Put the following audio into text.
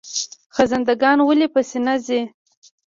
خزنده ګان ولې په سینه ځي؟